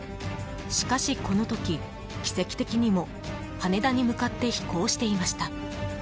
しかしこの時、奇跡的にも羽田に向かって飛行していました。